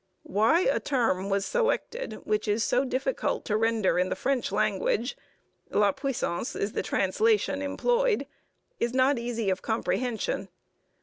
Why a term was selected which is so difficult to render in the French language (La Puissance is the translation employed) is not easy of comprehension.